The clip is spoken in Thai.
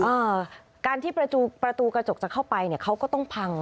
อ่าการที่ประตูประตูกระจกจะเข้าไปเนี่ยเขาก็ต้องพัง